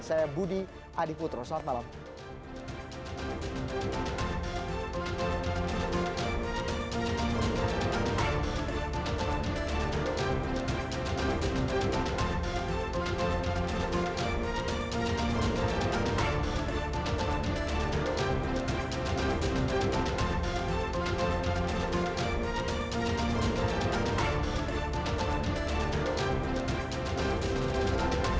saya budi adiputro selamat malam